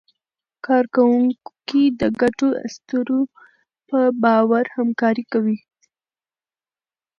کارکوونکي د ګډو اسطورو په باور همکاري کوي.